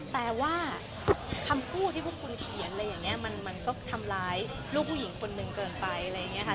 แต่ว่าคำพูดที่พวกคุณเขียนอะไรอย่างนี้มันก็ทำร้ายลูกผู้หญิงคนหนึ่งเกินไปอะไรอย่างนี้ค่ะ